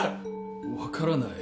分からない。